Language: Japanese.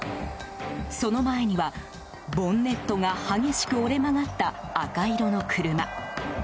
その前には、ボンネットが激しく折れ曲がった赤色の車。